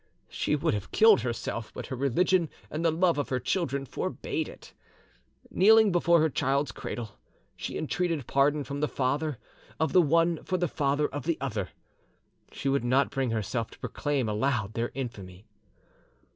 She would have killed herself, but her religion and the love of her children forbade it. Kneeling before her child's cradle, she entreated pardon from the father of the one for the father of the other. She would not bring herself to proclaim aloud their infamy.